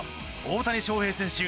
大谷翔平選手